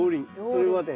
それはね